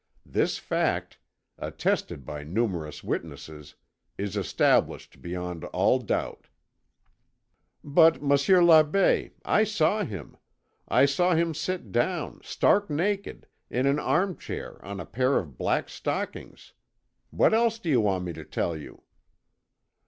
This fact, attested by numerous witnesses, is established beyond all doubt." "But, Monsieur l'Abbé, I saw him. I saw him sit down, stark naked, in an arm chair on a pair of black stockings. What else do you want me to tell you?"